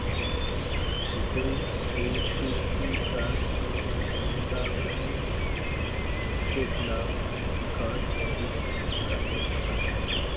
Dubai I C C کا عمراکمل کیخلاف تحقیقات جاری رکھنے کا فیصلہ